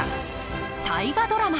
大河ドラマ